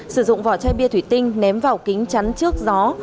sử dụng vỏ chai bia thủy tinh ném vào kính chắn trước gió